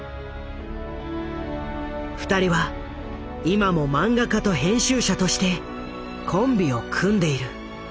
２人は今も漫画家と編集者としてコンビを組んでいる。